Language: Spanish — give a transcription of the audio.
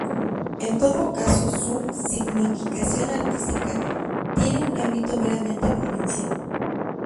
En todo caso su significación artística tiene un ámbito meramente provincial.